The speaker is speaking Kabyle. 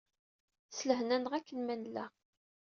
S lehna-nneɣ akken ma nella.